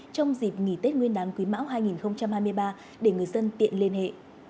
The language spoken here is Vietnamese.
trong dịp nghỉ tết nguyên đán quý mão hai nghìn hai mươi ba để người dân tiện liên hệ